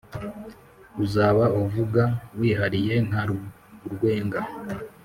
Uzaba uvuga wihariye nka Rwenga.